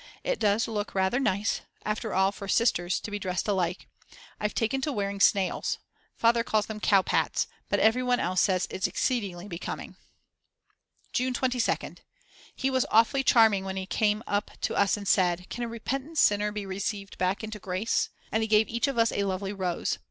It does look rather nice after all for sisters to be dressed alike. I've taken to wearing snails, Father calls them "cow pats;" but everyone else says it's exceedingly becoming. Flat rolls of hair plait covering the ears. Translators' Note. June 22nd. He was awfully charming when he came up to us and said: "Can a repentant sinner be received back into grace?" And he gave each of us a lovely rose.